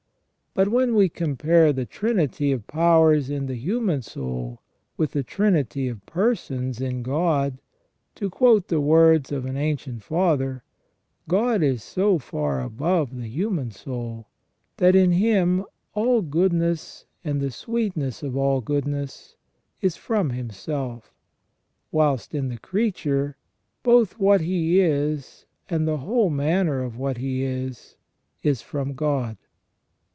But when we compare the trinity of powers in the human soul with the Trinity of Persons in God, to quote the words of an ancient Father :*' God is so far above the human soul, that in Him all goodness and the sweetness of all goodness is from Him self; whilst in the creature, both what he is and the whole manner of what he is, is from God